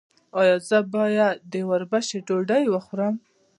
ایا زه باید د وربشو ډوډۍ وخورم؟